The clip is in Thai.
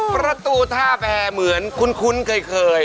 ประตูท่าแพรเหมือนคุ้นเคย